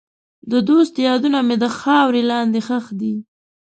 د دوست یادونه مې د خاورې لاندې ښخې دي.